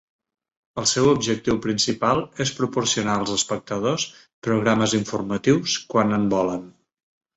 El seu objectiu principal és proporcionar als espectadors programes informatius quan en volen.